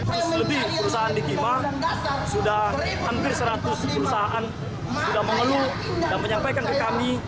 terus lebih perusahaan di kima sudah hampir seratus perusahaan sudah mengeluh dan menyampaikan ke kami